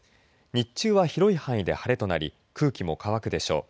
日中は広い範囲で晴れとなり空気も乾くでしょう。